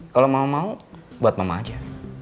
kalau mau mau buat mama aja